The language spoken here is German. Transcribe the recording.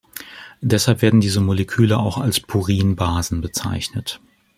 Deswegen werden diese Moleküle auch als Purin-Basen bezeichnet.